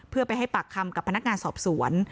เพื่อไปให้ปากคำกับพนักงานสอบสวน